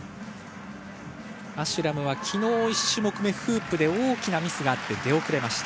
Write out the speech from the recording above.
アシュラムは昨日、１種目目のフープで大きなミスがあって出遅れました。